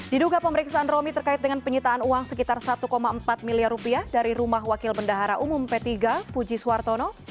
diduga pemeriksaan romi terkait dengan penyitaan uang sekitar satu empat miliar rupiah dari rumah wakil bendahara umum p tiga puji suartono